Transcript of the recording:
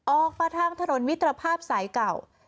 ออกมาทางถนนมิตรภาพสายเก่า